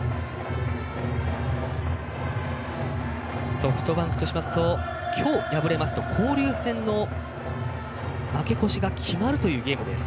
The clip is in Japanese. ソフトバンクとしますときょう敗れますと交流戦の負け越しが決まるというゲームです。